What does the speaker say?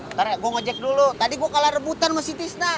ntar ya gue nge jack dulu tadi gue kalah rebutan sama si tisna